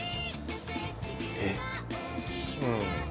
えっ？